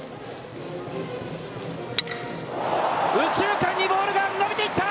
右中間にボールが伸びていった！